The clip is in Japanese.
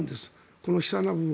この悲惨な部分。